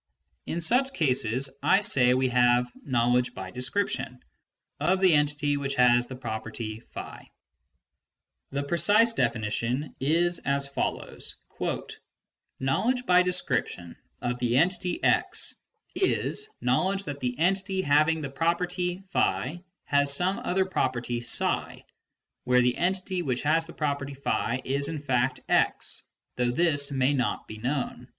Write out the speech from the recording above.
In such cases, I say we have "knowledge by description " of the entity which has the property <^. The precise definition is as follows :" Knowledge by description of the entity x is knowledge that the entity having the property <^ has some other property \p, where the entity which has the property is in fact x, though this may not be known